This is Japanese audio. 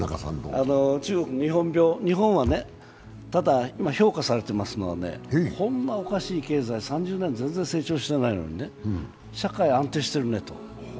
中国、日本病、日本はねただ今、評価されてますのでこんなおかしい、経済３０年全然安定してないのに社会は安定してるねと。